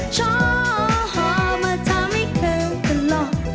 ชอบมาทำให้เธอก็หล่อ